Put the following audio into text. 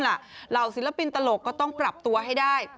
เหล่าศิลปินตลกก็ต้องปรับตัวให้ได้